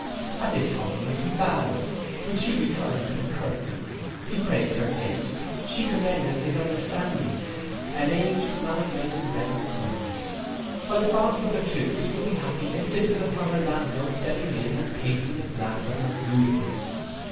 At this compliment he bowed, which she returned with a curtesy. He praised her taste, and she commended his understanding: an age could not have made them better acquainted. While the fond mother too, equally happy, insisted upon her landlord's stepping in, and tasting a glass of her gooseberry.